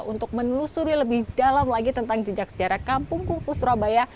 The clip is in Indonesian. untuk menelusuri lebih dalam lagi tentang jejak sejarah kampung kungku surabaya